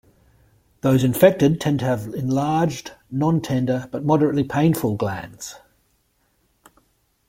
Those infected tend to have enlarged, nontender, but moderately painful glands.